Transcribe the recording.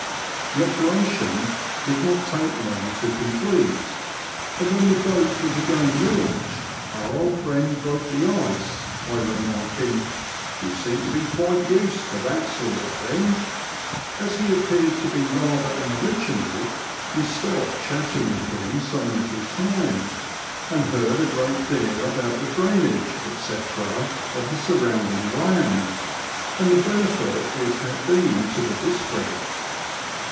The operation did not take long to complete, and when the boat was again launched our old friend broke the ice by remarking, You seem to be quite used to that sort of thing." As he appeared to be rather an original, we stopped chatting with him some little time, and heard a great deal about the drainage, &c., of the surrounding land, and the benefit it had been to the district.